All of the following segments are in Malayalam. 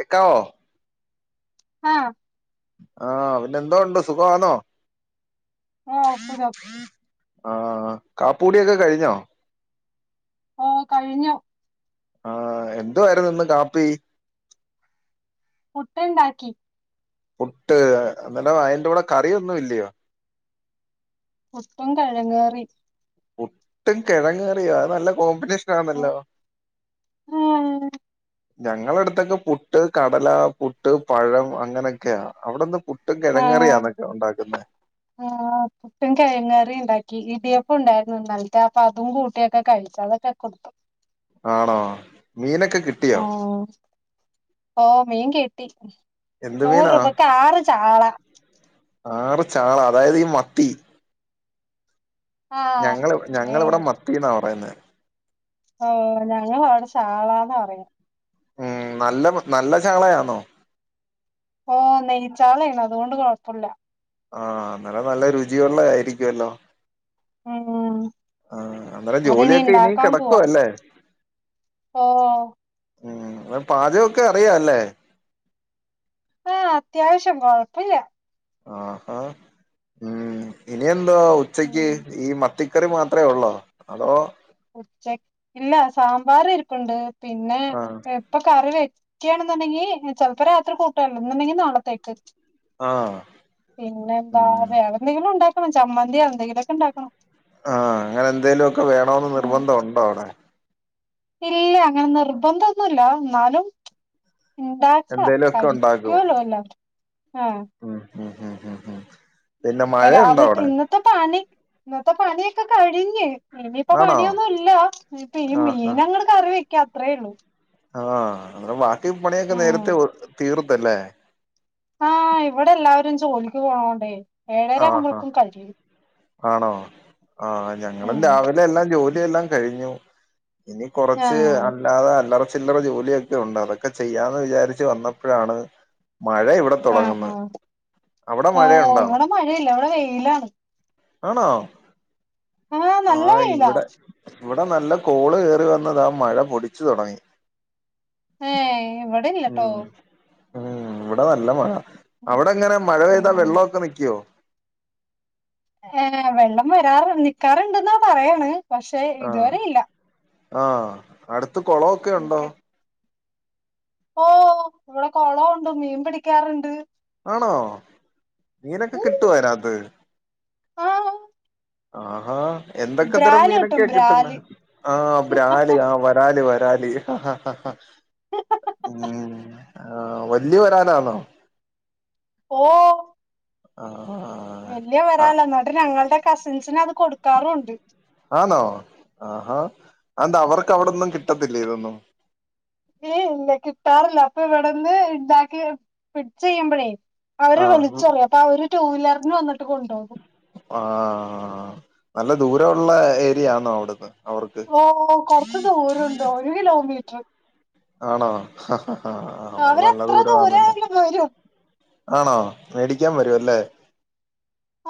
എക്കവോ ആഹ് ആഹ് പിന്നെ എന്തോ ഉണ്ട് സുഖമാന്നോ ഓ സുഖം ആഹ് കാപ്പൂടിയൊക്കെ കഴിഞ്ഞോ ഓ കഴിഞ്ഞു ആഹ് എന്തുവായിരുന്നു ഇന്ന് കാപ്പി മുട്ടയുണ്ടാക്കി പുട്ട് എന്നില്ല അയിന്റെ കൂടെ കറിയൊന്നും ഇല്ലയോ കുട്ടും കെഴങ്ങ് കറി ഒട്ടും കിഴങ്ങറിയോ നല്ല കോമ്പിനേഷൻ ആ, കെന്നല്ലോ ഞങ്ങള അടുത്തൊക്കെ പുട്ട് കടല പുട്ട് പഴം അങ്ങനെയൊക്കെയ അവിടെന്ന് പു ആ ആ ആ പട്ടും കിഴങ്ങ് കറിയും ഉണ്ടാക്കി ഇടി ഉണ്ടായിരുന്നു എന്നിട്ട് അപ്പൊ അതും കൂട്ടിയൊക്കെ കഴിച്ച അതൊക്കെ കൊ ആണോ മീനൊ ആ ഓ മീൻ കിട്ടി എന്ത് നൂറ് മീനാ രൂപക്ക് ആറ് ചാള ആറ് ചാള അതായത് ഈ മത്തി ആ ഞങ്ങള് പിന്നെ ഞങ്ങങ്ങളിവിടെ മത്തിന്നാ പറയുന്നെ ഓ ഞങ്ങ അവിടെ ചാളാന്ന പറയാ ഉം നല്ല നല്ല ചാളയാന്നോ ഓ നെയ്ച്ചാളേണ് അതുകൊണ്ട് കൊഴപ്പമില്ല ആ അന്നലെ നല്ല രുചിയള്ളത ആയിരിക്കുവല്ലോ ഉം ആ അന്നേരെ അതിനി ജോലിയൊക്കെ ഇനി ഉണ്ടാക്കാൻ പോവാ കിടക്കുവ അല്ലേ ഓ ഉം അ പാചകൊക്കെ അറിയല്ലേ ആ അത്യാവശ്യം കൊഴപ്പില്ല ആ ഉ ഇനിയന്ത ഉച്ചയ്ക്ക് ഉം ഈ മ ത്തിക്കറി മാത്രമേ ഉള്ളോ അതോ ഉച്ച ഇല്ല സാമ്പാർ ഇരിപ്പു ണ്ട് പിന്നെ ആഹ് ഇപ്പൊ കറി വെ ഒക്കെയണെന്നുണ്ടെങ്കി ചെലപ്പോ രാത്രി കൂട്ടല്ലോ എന്നുണ്ടെങ്കിൽ നാളത്തേക്ക് ആഹ് പിന്നെ എന്താ ഉം വേറെ എന്തെങ്കിലും ഉണ്ട ചമ്മന്തി എന്തെങ്കിലുംഒ ക്കെ ഉണ്ടാക്കണം ആ അങ്ങനെ എന്തേലും ഒക്കെ വേ ന്ന് ഉം നിർബന്ധം ഉ ണ്ടോ അവിടെ ഇല്ല അങ്ങനെ നിർബന്ധൊന്നുല്ല എന്നാലും ഇണ്ടാക്കാ എന്തേലും ഒക്കെ ഉണ്ടാക്കുവോ കാഴിക്കോലോല്ലാം ആ ഉ ഉ രാവിലത്തെ ഇന്നത്തെ പണി ഇന്നത്തെ പണിയൊക്കെ കഴിഞ്ഞ് ഇനിയിപ്പ ആണോ പണിയൊന്നും ഇല്ല ഇപ്പ ഈ ആഹ് മീനങ്ങ കറിവ ക്ക്‌ അത്രേയള്ളൂ ആ അനേരം വ ടി പണിയൊക്കെ ഉം നേരത്തെ തീർ ത ല്ലേ ആ ഇവിടെ എല്ലാവരും ജോലിക്ക് പോണോണ്ടേ ഏഴ രാക്കും ആഹ് ആഹ് പൊഴേക്കും കഴിയും ആണോ ആ ഞങ്ങളും ഉം രാവിലെ എല്ലാം ജോലി എല്ലാം കഴിഞ്ഞു ഇനി കൊറച്ച് ആഹ് അല്ലാതെ അല്ലറ ചില്ലറ ജോലിയൊക്കെ ഉണ്ട് അതൊക്കെ ചെയ്യാന്ന് വിചാരിച്ച് വന്നപ്പോഴാണ് മഴ ഇവിടെ ആഹ് തുടങ്ങന്ന്. ആഹ് അവിടെ മഴയുണ്ടോ? അല്ല അവിടെ വെയിലാണ്. ആണോ ആഹ് ആ നല്ല വെയിലാ ഇവിടെ ഇവിടെ നല്ല കോള് കയറിവന്ന് ദാ മഴ പൊടിച്ചു തുടങ്ങി. ഇവിടെയില്ലാട്ടോ ഉം ഇവിടെ നല്ല മഴ. അവിടെ എങ്ങനെ മഴ പെയ്താ ഉം വെള്ളമൊക്കെ നിക്കുവോ ഏ വെള്ളം വരാറ് നിക്കാറുണ്ടെന്ന പറയണ്. പക്ഷെ ഇതുവരെയില്ല ആ അടുത്ത അടുത്ത് കുളം ഒക്കെ ഉണ്ടോ? ഓ ഇവിടെ കുളം ഉണ്ട് മീൻ പിടിക്കാറുണ്ട്. ആണോ മീനൊക്കെ കിട്ടുവോ അതിനകത്ത്? ആ ആഹാ എന്തൊക്കെ തരം കിട്ടും മീനൊക്കെയാ കിട്ടുന്നേ? ബ്രാല് ആ ബ്രാലി ആ വരാലി വ ബ്രാലി ആ ആ ഉം ആ വലിയ വരാലാന്നോ? ഓ ആ ആഹ് വലിയ വരാലാ എന്നട്ട് ഞങ്ങളുടെ കസിൻസിന് അത് കൊടുക്കാറുണ്ട് ആന്നോ ആഹാ അതെന്താ അവർക്ക് അവിടൊന്നും കിട്ടത്തില്ലേ ഇതൊന്നും ഏയ് ഇല്ല കിട്ടാറില്ല അപ്പൊ ഇവിടെന്ന് ഇണ്ടാക്കി പിടിച്ച് കയ്യുമ്പഴേ അവര് ആഹ് വിളിച്ചു പറിയും അപ്പൊ അവര് ടു വീലറിന് വന്നിട്ട് കൊണ്ടുപോകും. ആഹ് ആഹ് ആ നല്ല ദൂരം ഉള്ള ഏരിയ ആന്നോ അവിടുന്ന് അവർക്ക് ഓ കൊറച്ച് ദൂരം ഉണ്ട് ഒരു കിലോമീറ്റർ ആണോ അന്നേരം അവര് നല്ല എത്ര ദൂരമാന്നല്ലേ ദൂരായാലും വരും ആണോ മേടിക്കാൻ വരുവല്ലേ?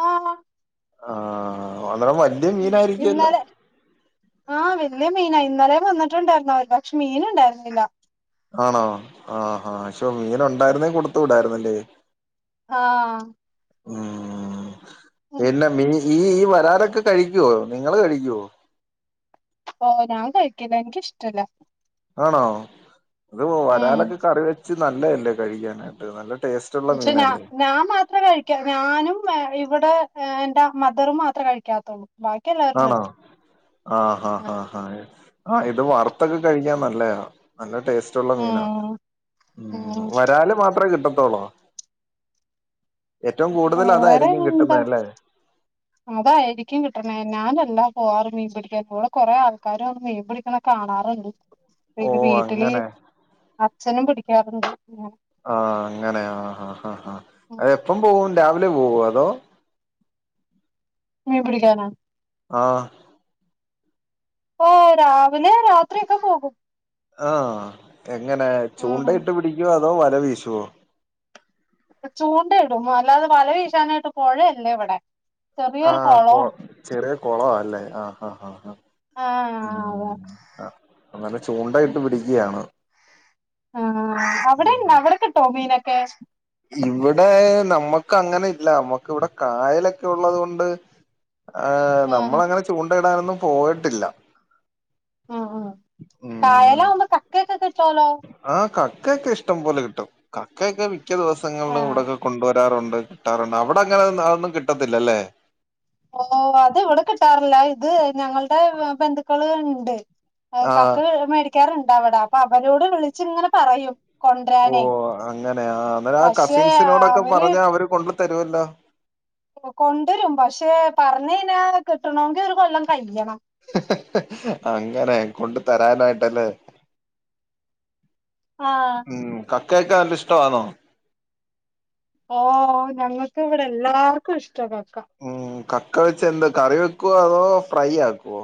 ആഹ് ആഹ് ആഹ് ആ ഒ ഉം ഇന്നലെ ആഹ് വല്ല്യ മീനായിരി ഇന്നലെ വന്നിട്ടുണ്ടായിരുന്നു അവര് പക്ഷെ മീന്ണ്ടായിരുന്നില്ല ആണോ ആഹ് ആ ആ ശോ മീനൊണ്ടായിരുന്നേ കൊടുത്തു വിടായിരുന്നല്ലേ ആ ആഹ് ഉം ഉം പിന്ന മീ ഈ ഈ വരാലൊക്കെ കഴിക്കുവോ നിങ്ങള് കഴിക്കുവോ ഓ ഞാൻ കഴിക്കല എനിക്കിഷ്ടല്ല ആണോ അത് ഉം വരാലൊക്കെ കറി വെച്ച് നല്ലല്ലേ കഴിക്കാനായിട്ട് നല്ല ടേസ്റ്റ് ഉള്ള പക്ഷെ ഞാ മീനല്ലേ ഞാൻ മാത്രേ കഴിക്ക ഞാനും [unintelligible] ഇവിടെ എന്റെ മദറ മാത്രേ കഴിക്കാത്തുള്ളൂ ബാക്കി എല്ലാവരും ആണോ കഴിക്കും ആഹഹ് ആ് ആഹ് ഹ ആ ഇത് വറുത്തൊക്കെ കഴിക്കാൻ നല്ലയാ നല്ല ടേസ്റ്റ്ള്ള മീന ഉം ഉം വരാല് മാത്രമേ കിട്ട [unintelligible] വേറെ എന്താ അതായിരിക്കും കിട്ടണേ ഞാന എല്ലാ പോവാറ് മീൻ പിടിക്കൻ ഇവടെ കൊറെ ആൾക്കാര് മീൻ പിടിക്ക്ണെ കാണാറ്ണ്ട്. ഓ പിന്നെ വീട്ടില് അങ്ങനെ അച്ഛനും പിടിക്കാറ്ണ്ട്. ആ അങ്ങനെയ ആ ആ ആ ഹാ അഅ് എപ്പം പോവു രാവിലെ പോവോ അതോ മീം പിടിക്കാനോ ആ ഓ രാവിലെ രാത്രി യൊക്കെ പോകും. ആ എങ്ങനെ ഉം ചൂണ്ടയിട്ട് പിടിക്കുവോ അ തോ വല വീശോ? ചൂണ്ട യിടും അല്ലാതെ വല വീശാനായിട്ട് പൊഴയില്ലവടെ ആ കൊ ചെറിയ കുളാല്ലേ ആ ഹ ഹ ഹ ആഹ് ഉം അതെ അ അങ്ങനെ ചൂണ്ടയിട്ട് പിടിക്ക്യാണ് ആഹ് അവിടെ ഇണ്ട അവിടെ കിട്ടോ മീനൊക്കെ ഇവിടെ നമ്മക്ക് അങ്ങനെ ഇല്ല നമ്മക്ക് ഇവടെ കായലൊക്കെ ഉള്ളത് കൊണ്ട് ആ ആഹ് നമ്മളങ്ങനെ ചൂണ്ടയിടാനൊന്നും പോയിട്ടില്ല. ആ ആ കായലാവുമ്പോ കക്കയെക്കെ കി ആ ക കക്കയ്ക്കക്ക് ഇഷ്ടം പോലെ കിട്ടും കക്കൊക്കെ വി മിക്ക ദിവസങ്ങളിൽ ആഹ് ഇവിടെക്കെ കൊണ്ടുവരാ ട്ടാറുണ്ട് കിട്ടാറുണ്ട് അവിടെ അങ്ങനെ അതൊന്നും കിട്ടത്തില്ലല്ലേ ഓ അത് ഇവിടെ ബന്ധുക്കൾ ണ്ട് ആഹ് കക്ക് മേടിക്കാറുണ്ട് വിട അപ്പൊ അവരോട് വിളിച്ചച്ച് ഇങ്ങനെ പറയും ഓ കൊണ്ടരാനേ അങ്ങനെയ അങ്ങനെ ആ പക്ഷെ കസിൻസിനോടൊക്കെ പറഞ്ഞ അവര് കൊണ്ട് തരുവല്ലോ കൊണ്ടുവരും പക്ഷെ പറഞ്ഞ കഞ്ഞാ കിട്ടണമെങ്കി ഒരു കൊല്ലം കഴും അങ്ങനെ കൊണ്ട് തരാനായിട്ട് ല്ലേ ആഹ് ഉം ക കേൾക്കാൻിഷ്ടമാണോ ഓ ഞങ്ങൾക്കും ഇവിടെ എല്ലാർക്കും ഇഷ്ട കക്കളിച്ച എന്ത കറി വെക്കുവോ അതോ ഫ്രൈ ആക്കുവോ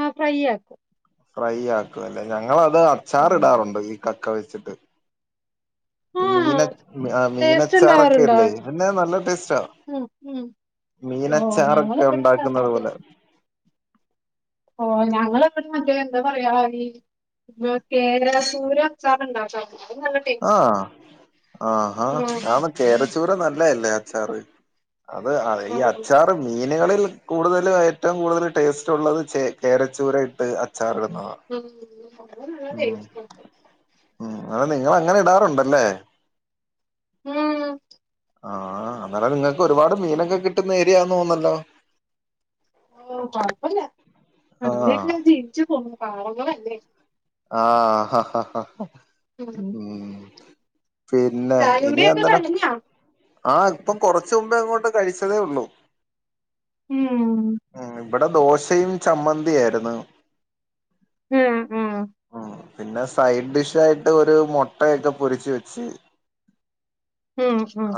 ആ ഫ്രൈ ആക്കും ഫ്രൈ ആക്കും അല്ലേ ഞ ഞങ്ങളത് അച്ചാറി ഉം ഇടാറുണ്ട് ഈ കക്ക വ ചിട്ട് ആഹ് മീന ടേസ്റ്റ് ഉണ്ടാവാറുണ്ടോ മീനച്ചാറൊക്കെല്ലേ പിന്നെ നല്ല ടേസ്റ്റാ ഉം ഉം ഓഹ് മീനച്ചാറൊക്കെ ഞങ്ങളിവിടെ ഉണ്ടാക്കുന്നുന്നത് പോലെ ഓ ഞങ്ങ എവിടെ മറ്റ എന്താ പറയാ ഈ കേരസൂര് അച്ചാറണ്ടട്ടോ ആഹ ആ ആ ഉം ആന്ന് കേരച്ചൂര നല്ല ല്ലല്ലേ അച്ചാറി അത് ഈ ഉം അച്ചാറ് മീൻ ചനികളിൽ കൂടുതല ഏറ്റവും കൂടുതൽ ടേസ്റ്റ് ഉള്ളത് ചെ കേരച്ചൂര ഇട്ട് അച്ചാർ ഇടുന്നതാ ഉം അത് നല്ല ടെസ്റ്റ് ആയിരിക്കും [unintelligible] എഡാ നിങ്ങൾ അങ്ങനെ ഇടാറുണ്ടല്ലേ ഉം ആഹ അന്നേല നിങ്ങൾക്ക് ഒരുപാട് മീനൊക്കെ കിട്ടുന്ന ഏരിയന്ന് തോന്നല്ലോ ഓ കുഴപ്പമില്ല അങ്ങനെയൊക്കെ ജീവിച്ചു പോകുന്നു പാവങ്ങളല്ലേ ആഹ് ഹാ ഹാ ഉം പിന്നെ ചായ ഇനി കുടിയൊക്കെ എന്തനെ കഴിഞ്ഞോ ആ ഇപ്പൊ കൊറച്ച് ചുമ്പേ അങ്ങോട്ട് കഴിച്ചതേ ഉള്ളൂ ഉം ഉം ഇവിടെ ദോശയും ചമ്മന്തിയിരുന്നു ഉം ഉം ഉം പിന്നെ സൈഡ് ഡിഷ ആയിട്ട് ഒരു മുട്ടയൊക്കെ പൊരിച്ച് വെച്ച്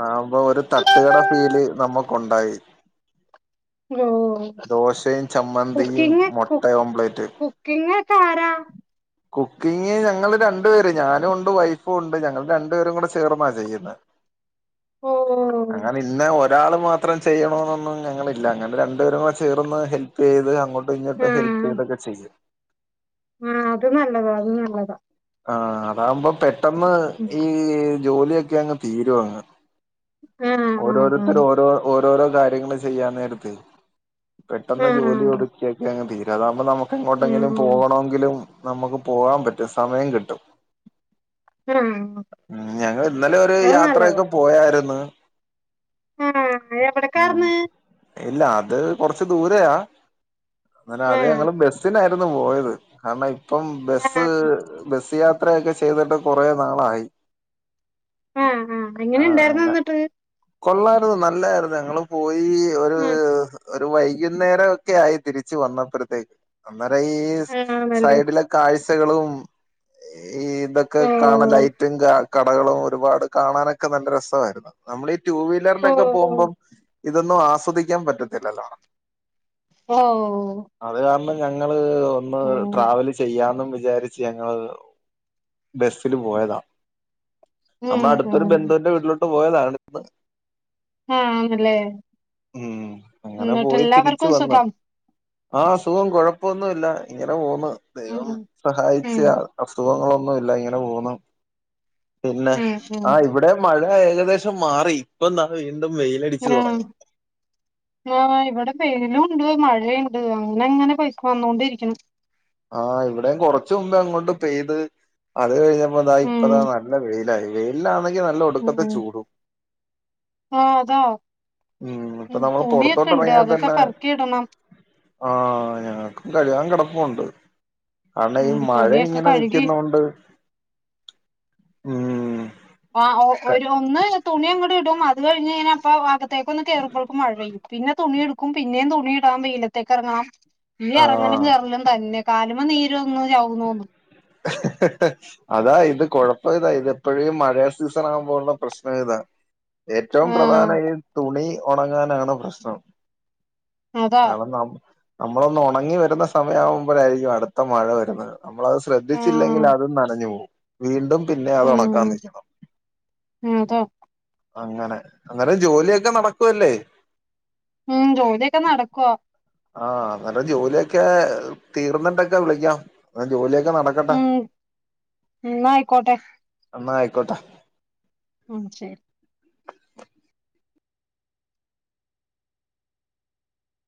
ആമ്പൊ ഒരു തട്ടുകട ഫീല് നമ്മുക്ക്ണ്ടായി ഓ ചമ്മന്തിയും കുക്കിംഗ മുട്ട ഓംപ്ലേറ്റ് കുക്കിംഗ താരാ കുക്കിംഗ ഞങ്ങള്ൾ രണ്ടു പേര് ഞാനും ഉണ്ട് വൈഫും ഉണ്ട് ഞങ്ങള് രണ്ടു പേരും കൂടെ ചേർന്നാ ചെയ്യുന്ന ഓ അങ്ങനെ ഇന്ന രാൾ മാത്രം ചെയ്യണമെന്നൊന്നും ഞങ്ങളില്ല അങ്ങനെ രണ്ടപേരുമായി ചേർന്ന് ഹെൽപ്പ് ചെയ്ത് അങ്ങോ [unintelligible] ആ ഇങ്ങോട്ട് ഹെൽപ് ചെയ്തൊക്കെ ചെയ്യും ആ അത് നല്ലതാ നല്ലതാ ആ് അതാകുമ്പോ പെ ഉം. [unintelligible] ഈ ജോലിയൊക്കെ അങ്ങ് തീരും അങ്ങ് ആ ആ ആ ഓരോരുത്തർ ഓരോ ഓരോരോ കാര്യങ്ങള് ചെയ്യാൻ നേരത്തെ പെട്ടെന്ന് ആ ജോലി ഒതുക്കി ഒക്കെ അങ്ങ് തീരും അതാവുമ്പോ നമുക്ക് - ഉം. എങ്ങോട്ടെങ്കിലും പോകണമെങ്കിലും നമുക്ക് പോകാൻ പറ്റും സമയം കിട്ടും ആ ഉ ഞങ്ങൾ ഇന്നലെ ഒരു അത് നല്ലതാ യാത്രയൊക്കെ പോയായിരുന്നു ആ ഉം മ് എവിടക്കാർന്ന് ഇല്ല അത് കൊറച്ച് ദൂരയാ.. ഇന്നലെ ആ അത് ഞങ്ങള് ബസ്സിലാ - പോയത് കാരണം - ഇപ്പം ആ ബസ്സ്- ബസ് യാത്രയൊക്കെ ചെയ്തിട്ട് കൊറെ നാളായി ആഹ് ആഹ് എങ്ങനെ ഇണ്ടായിരുന്നു എന്നിട്ട്. കൊള്ളാരുന്നു നല്ലായിരുന്നു ഞങ്ങള് പോയി. ഈ ഒരു ആ ഒരു വയിറ്റ് - വൈകുന്നേരം ഒക്കെ ആയി തിരിച്ച് വന്നപ്പഴത്തേക്ക്. അന്നേര ഈ ആണല്ലേ സൈഡിലെ കാഴ്ച- [unintelligible] ഈ ഇതൊക്കെ ഓ കാണ ലൈറ്റും കാ ക കടകളും ഒരുപാട് കാണാനൊക്കെ നല്ല രസമായിരുന്നു നമ്മളീ ടു ഓ വീലറിലൊക്കെ പോകുമ്പം ഇതൊന്നും ആസ്വദിക്കാൻ പറ്റത്തില്ലല്ലോ ഓ ഞങ്ങൾ ഇ ഒന്ന് അങ്ങനെ ട്രാവൽ ചെയ്യാന്നും വിചാരിച്ചയാ [unintelligible] ബസ്സിന് പോയതാ ഉം നമ്മുടെ അടുത്തൊരു ബന്ധുവിൻ്റെ വീട്ടിലോ ട്ട് പോയതാണ് ഇന്ന് ആ ആണല്ലേ ഉം അങ്ങനെ എന്നിട്ട് പോയി തിരിച്ചു എല്ലാവർക്കും വന്ന് സുഖം ആ സുഖം കൊഴപ്പൊന്നുല്ല ഇങ്ങനെ പോന്ന് ഉം ദൈവം സഹായി ഉം ച്ച് അസുഖങ്ങളൊ ഒന്നൂല്ല ഇങ്ങനെ പോണു പിന്നെ ഉം ഉം ആ ഇവിടെ മഴ ഏകദേശം മാറി ഇപ്പം ദാ [unintelligible] ആ ആ ഇവിടെ വെയിലൂണ്ട് മഴ മഴണ്ട് അങ്ങനെങ്ങനെ [unintelligible] വന്നോണ്ടിരിക്കണ് ആഹ് ഇവിടെയും കൊറച്ചുമുബ്ബേ അങ്ങോട്ട് പെയ്ത് അത് കഴിഞ്ഞ ഇപ്പത ഉം ഇപ്പതാ നല്ല വെയിലായി വെയി ഇല്ലാന്നെ ഉം ആ അതാ ഇപ്പൊ ഉം നമ്മൾ പുറത്തോട്ട് തുണിയൊക്കെണ്ട് ഇറങ്ങിയാൽ അതൊക്കെ തന്നെ പെറുക്കിടണം ആ ഞങ്ങക്കും കഴുകാൻ കിടപ്പുണ്ട് [unintelligible] ഈ ഉം മഴ തുണിയൊക്കെ ഇങ്ങനെ കഴുകി നിൽക്കുന്നോണ്ട് മ്മ്മ്മ്മ് ആ ഒ ഒരു ഒന്ന് തുണി അങ്ങടി ഇടും അത് കഴിഞ്ഞ് ഞാനപ്പോ അപ്പാകത്തേക്ക് ഒന്ന് കേറിയപ്പോഴെക്കും മഴയും പിന്നെ തുണി എടുക്കും പിന്നേം തുണി ഇടാൻ വെയിലത്തേക്ക് ഇറങ്ങണം ഈ ആഹ് ഇറങ്ങലും കേറലും തന്നെ കാലും നീര് വന്ന് ചാവും തോന്നുന്നു ഹ് ഹ് ഹ അതാ ഇത് കൊയപ്പം ഇതാ ഇതെപ്പെയും ഈ മഴ സീസൺ ആവുമ്പോ ള്ള പ്രശ്നം ഇതാ ഏറ്റവും ആഹ് പ്രധാനം ഈ തുണി ഒണങ്ങാനാണ് പ്രശ്നം അതാ നാളെ നോമ്പ് നമ്മളൊന്ന് ഒണങ്ങി വരുന്ന സമയമാകുമ്പോ ആയിരിക്കും അടുത്ത മഴ വരുന്നത് നമ്മളത് ശ്രന്തിച്ചില്ലെങ്കിൽ ആഹ് അതും നനഞ്ഞു പോവും വീണ്ടും പിന്നെ അത് ഉണക്കാൻ ഉം നിക്കണം അതാ അങ്ങനെ അന്നേരം ജോലിയൊക്കെ നടക്കുല്ലേ ഉം ജോലിയൊക്കെ നടക്കുവാ ആഹ് അന്നേരം ജോലിയൊക്കെ തീർന്നിട്ടൊക്കെ വിളിക്കാം ജോലിയൊക്കെ നടക്കട്ടെ ഉം എന്നാ ആയിക്കോട്ടെ എന്നാ അയ് ക്കോട്ടേ ഉം ശരി